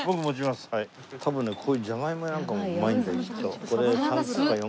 多分ねこういうジャガイモやなんかもうまいんだよきっと。